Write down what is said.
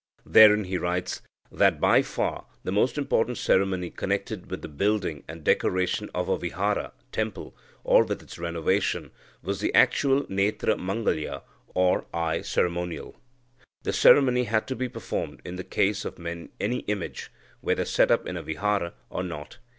Therein he writes that "by far the most important ceremony connected with the building and decoration of a vihara (temple), or with its renovation, was the actual netra mangalya or eye ceremonial. The ceremony had to be performed in the case of any image, whether set up in a vihara or not.